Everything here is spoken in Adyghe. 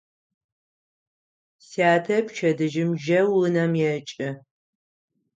Сятэ пчэдыжьым жьэу унэм екӏы.